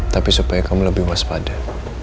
tapi supaya kamu lebih waspada